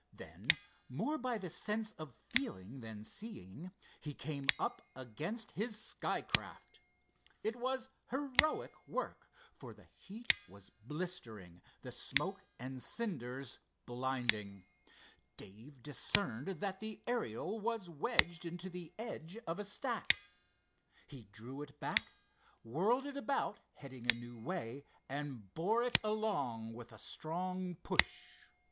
Then, more by the sense of feeling than seeing, he came up against his sky craft. It was heroic work, for the heat was blistering, the smoke and cinders blinding. Dave discerned that the Ariel was wedged into the edge of a stack. He drew it back, whirled it about heading a new way, and bore it along with a strong push.